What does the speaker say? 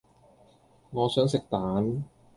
我想食蛋